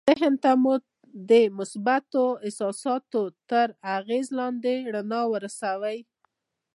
ذهن ته مو د مثبتو احساساتو تر اغېز لاندې رڼا ورسوئ